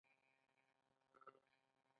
زموږ په سوداګرۍ کې خدای او قران راغی.